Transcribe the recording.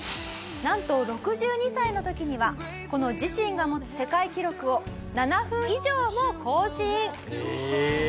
「なんと６２歳の時にはこの自身が持つ世界記録を７分以上も更新」「えーっ！」